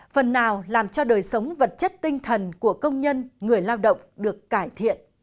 phần nào làm cho đời sống vật chất tinh thần của công nhân người lao động được cải thiện